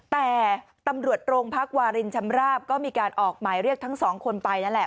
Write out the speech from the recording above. แต่ตำรวจโรงพักวารินชำราบก็มีการออกหมายเรียกทั้งสองคนไปนั่นแหละ